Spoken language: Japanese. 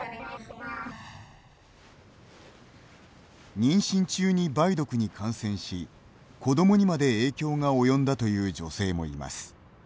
妊娠中に梅毒に感染し子どもにまで影響が及んだという女性もいます。